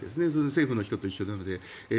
政府の人と一緒なので。